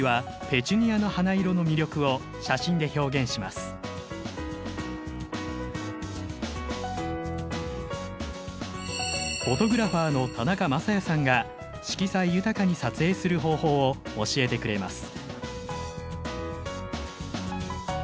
フォトグラファーの田中雅也さんが色彩豊かに撮影する方法を教えてくれます。